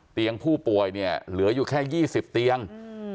เตียงผู้ป่วยเนี้ยเหลืออยู่แค่ยี่สิบเตียงอืม